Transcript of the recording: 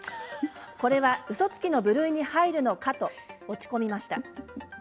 これは、うそつきの部類に入るのかと落ち込みました。